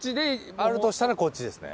あるとしたらこっちですね？